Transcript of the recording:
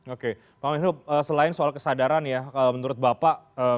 oke pak windu selain soal kesadaran ya menurut bapak